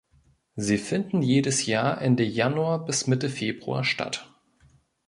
Sie finden jedes Jahr Ende Januar bis Mitte Februar statt.